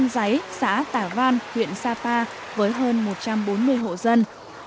giấy xã tả văn huyện sapa với hơn một trăm bốn mươi hộ dân